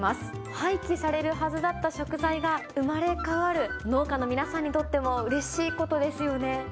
廃棄されるはずだった食材が生まれ変わる、農家の皆さんにとってもうれしいことですよね。